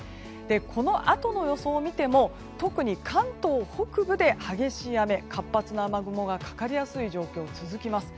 このあとの予想を見ても特に関東北部で激しい雨、活発な雨雲がかかりやすい状況続きます。